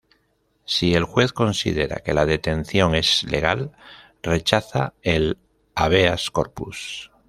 Si el juez considera que la detención es legal, rechaza el "hábeas corpus".